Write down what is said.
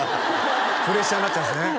プレッシャーになっちゃうんですね